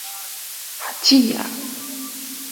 學姊仔